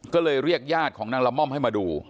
ก็เลยเรียกญาติของนางละม่อมให้มาดู